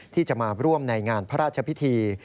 ที่จะมาร่วมในงานพระราชพิธี